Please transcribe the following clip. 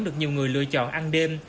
được nhiều người lựa chọn ăn đêm